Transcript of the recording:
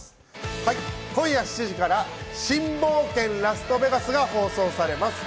今夜７時から『新冒険ラストベガス』が放送されます。